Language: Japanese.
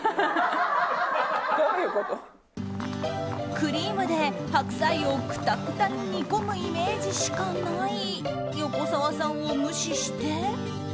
クリームで白菜をくたくたに煮込むイメージしかない横澤さんを無視して。